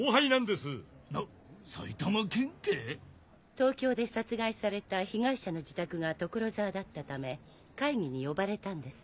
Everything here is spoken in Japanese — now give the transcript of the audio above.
東京で殺害された被害者の自宅が所沢だったため会議に呼ばれたんです。